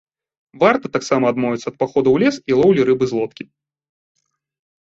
Варта таксама адмовіцца ад паходу ў лес і лоўлі рыбы з лодкі.